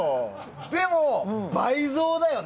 でも、倍増だよね。